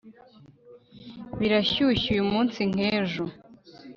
birashyushye uyumunsi nkejo